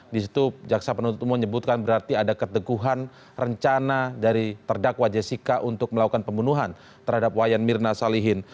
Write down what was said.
di situ jaksa penuntut umum menyebutkan berarti ada keteguhan rencana dari terdakwa jessica untuk melakukan pembunuhan terhadap wayan mirna salihin